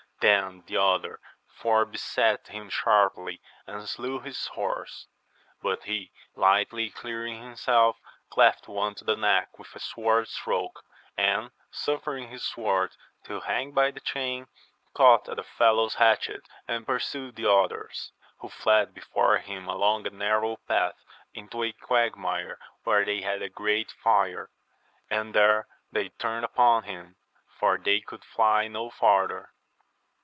Then the other four beset him sharply, and slew his horse ; but he lightly clearing himself, cleft one to the neck with a sword stroke, and suffering his sword to hang by the chain, caught at the fellow's hatchet and pursued the others, who fled before him along a nar row path into a quagmire, where they had a great fire, and there they turned upon him, for they could fly no farther.